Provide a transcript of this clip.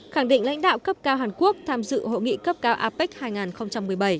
khẳng định lãnh đạo cấp cao hàn quốc tham dự hội nghị cấp cao apec hai nghìn một mươi bảy